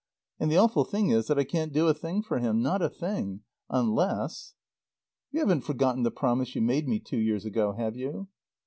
And the awful thing is that I can't do a thing for him. Not a thing. Unless You haven't forgotten the promise you made me two years ago, have you?